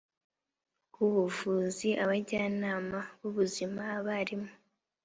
w ubuvuzi abajyanama b ubuzima abarimu